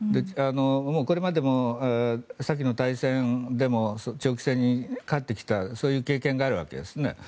これまでも先の大戦でも長期戦に勝ってきたそういう経験があるわけですね。